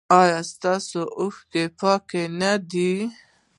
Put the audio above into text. ایا ستاسو اوښکې پاکې نه دي؟